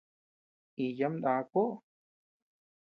Íyaam na kuoʼo.